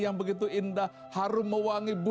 yang begitu indah dan berwarna warni